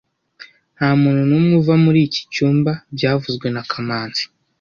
Ntamuntu numwe uva muri iki cyumba byavuzwe na kamanzi